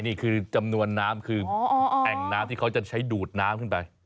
นี่คือจำนวนน้ำคือแอ่งน้ำที่เขาจะใช้ดูดน้ำขึ้นไป